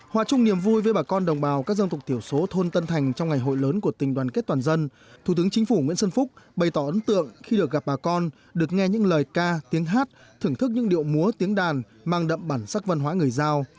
hòa chung niềm vui với bà con đồng bào các dân tộc thiểu số thôn tân thành trong ngày hội lớn của tình đoàn kết toàn dân thủ tướng chính phủ nguyễn xuân phúc bày tỏ ấn tượng khi được gặp bà con được nghe những lời ca tiếng hát thưởng thức những điệu múa tiếng đàn mang đậm bản sắc văn hóa người giao